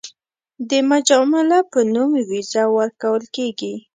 د مجامله په نوم ویزه ورکول کېږي.